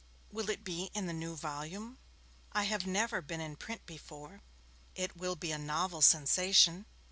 Will it be in the new volume? I have never been in print before; it will be a novel sensation.